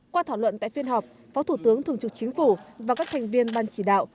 qua thảo luận tại phiên họp phó thủ tướng thường trực chính phủ và các thành viên ban chỉ đạo